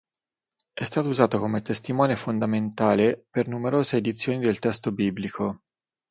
È stato usato come testimone fondamentale per numerose edizioni del testo biblico.